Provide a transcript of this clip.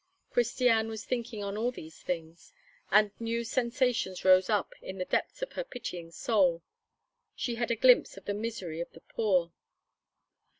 Christiane was thinking on all these things; and new sensations rose up in the depths of her pitying soul. She had a glimpse of the misery of the poor.